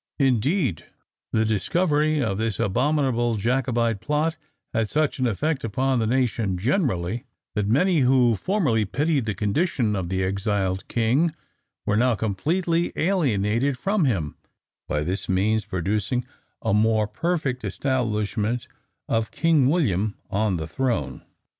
Indeed the discovery of this abominable Jacobite plot had such an effect upon the nation generally, that many who formerly pitied the condition of the exiled king, were now completely alienated from him, by this means producing a more perfect establishment of King William on the throne.